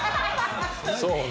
そうね